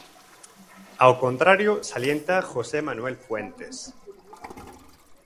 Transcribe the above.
Ao contrario, salienta José Manuel Fuentes.